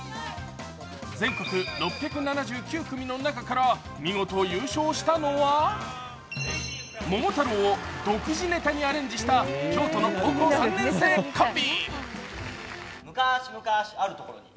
全国６７９組の中から見事優勝したのは、「桃太郎」を独自ネタにアレンジした京都の高校３年生コンビ。